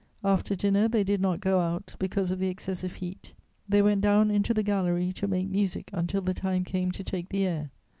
"After dinner, they did not go out, because of the excessive heat; they went down into the gallery to make music until the time came to take the air.